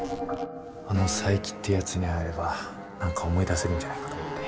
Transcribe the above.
あの佐伯ってやつに会えれば何か思い出せるんじゃないかと思って。